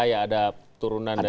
ya ada turunan dari